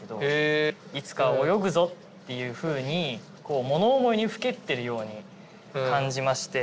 「いつかは泳ぐぞ」っていうふうに物思いにふけってるように感じまして。